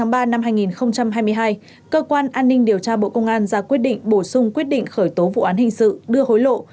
ngày hai mươi năm tháng ba năm hai nghìn hai mươi hai cơ quan an ninh điều tra bộ công an ra quyết định bổ sung quyết định khởi tố vụ án hình sự đưa hối lộ